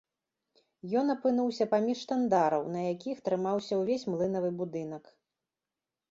Ён апынуўся паміж штандараў, на якіх трымаўся ўвесь млынавы будынак.